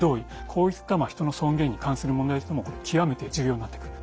こういった人の尊厳に関する問題とも極めて重要になってくる。